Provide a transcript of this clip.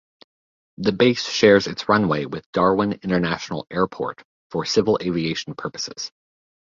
The base shares its runway with Darwin International Airport, for civil aviation purposes.